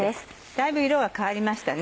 だいぶ色が変わりましたね。